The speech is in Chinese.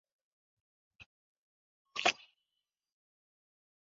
喜山蟾蜍为蟾蜍科蟾蜍属的两栖动物。